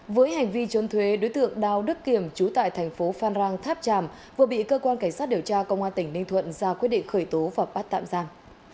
với hành vi trốn thuế đối tượng đào đức kiểm trú tại thành phố phan rang tháp tràm vừa bị cơ quan cảnh sát điều tra công an tỉnh ninh thuận ra quyết định khởi tố và bắt tạm giam